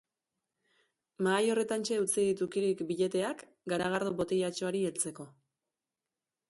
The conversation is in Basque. Mahai horretantxe utzi ditu Kirik billeteak, garagardo botilatxoari heltzeko.